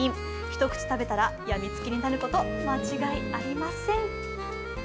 一口食べたら、やみつきになること間違いありません。